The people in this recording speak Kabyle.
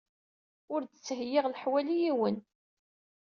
Ur d-ttheyyiɣ leḥwal i yiwen.